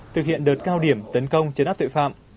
thực hiện đợt cao điểm tấn công chấn áp tội phạm